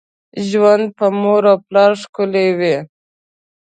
ژوند پر مور او پلار ښکلي وي .